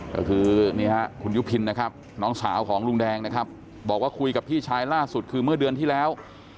ก็คือนี่ฮะคุณยุพินนะครับน้องสาวของลุงแดงนะครับบอกว่าคุยกับพี่ชายล่าสุดคือเมื่อเดือนที่แล้ว